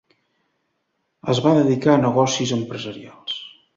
Es va dedicar a negocis empresarials.